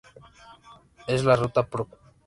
Es la Ruta Prov.